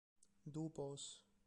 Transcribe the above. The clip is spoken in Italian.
Du Bos